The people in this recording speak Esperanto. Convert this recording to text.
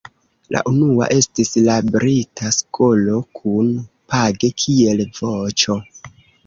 La unua estis la "brita skolo", kun Page kiel voĉo.